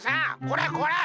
これこれ！